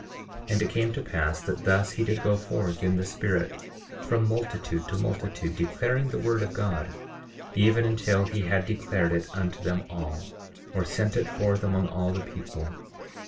10:17 And it came to pass that thus he did go forth in the Spirit, from multitude to multitude, declaring the word of God, even until he had declared it unto them all, or sent it forth among all the people.